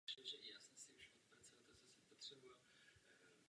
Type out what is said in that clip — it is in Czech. Také zaváděl strojní výrobu namísto ruční práce.